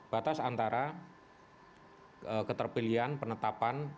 batas antara keterpilihan penetapan